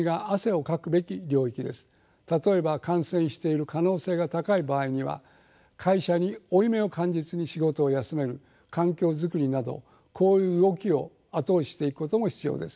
例えば感染している可能性が高い場合には会社に負い目を感じずに仕事を休める環境作りなどこういう動きを後押ししていくことも必要です。